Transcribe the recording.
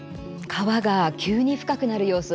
川が急に深くなる様子